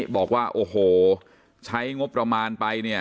บอกว่าโอ้โหใช้งบประมาณไปเนี่ย